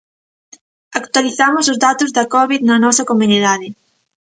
Actualizamos os datos da covid na nosa comunidade.